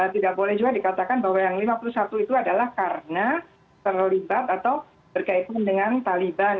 tidak boleh juga dikatakan bahwa yang lima puluh satu itu adalah karena terlibat atau berkaitan dengan taliban